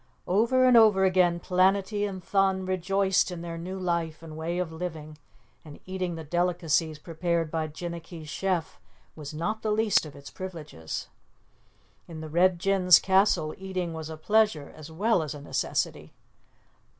Over and over again Planetty and Thun rejoiced in their new life and way of living, and eating the delicacies prepared by Jinnicky's chef was not the least of its privileges. In the Red Jinn's castle eating was a pleasure as well as a necessity.